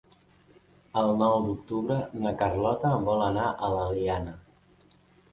El nou d'octubre na Carlota vol anar a l'Eliana.